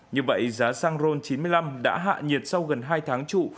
như vậy giá xăng ron chín mươi năm đã hạ nhiệt sau gần hai tháng trụ